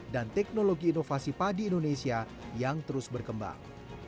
dan teknologi inovasi padi indonesia yang terus berkembang